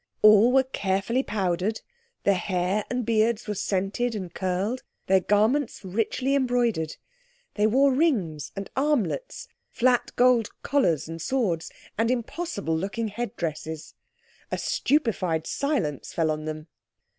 All were carefully powdered, their hair and beards were scented and curled, their garments richly embroidered. They wore rings and armlets, flat gold collars and swords, and impossible looking head dresses. A stupefied silence fell on them.